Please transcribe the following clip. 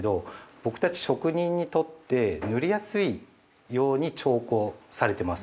僕たち職人にとって塗りやすいように調合されています。